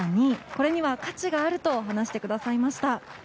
これには価値があると話してくださいました。